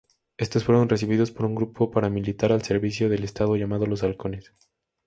Estos fueron recibidos por un grupo paramilitar al servicio del estado, llamado "Los Halcones".